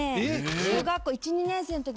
小学校１、２年生のとき。